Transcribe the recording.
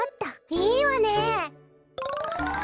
いいわね！